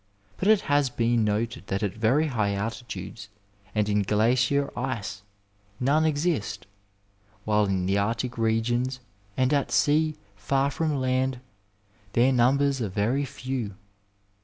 But it has been noted that at very high altitudes and in glacier ice none exist, while in the Arctic regions and at sea fu from land their numbers are very few.